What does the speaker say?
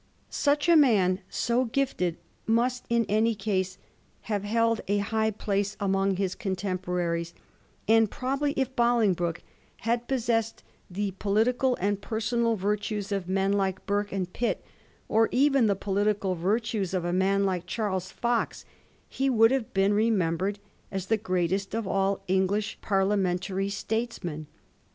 Such a man, so gifted, must in any case have held a high place among his contemporaries^ and probably if Bolingbroke had possessed the political and personal virtues of men like Burke and Pitt, or even the political virtues of a man like Charles Fox, he would have been remem bered as the greatest of all English Parliamentary statesmen.